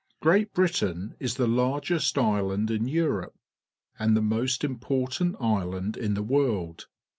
Great Britain is the largest island in Europe and the most important island in the world.